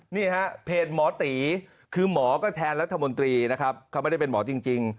นี่ฮะเพจหมอตีคือหมอก็แทนรัฐมนตรีนะครับเขาไม่ได้เป็นหมอจริง